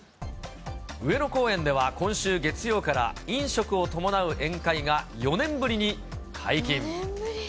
上野公園では今週月曜から飲食を伴う宴会が４年ぶりに解禁。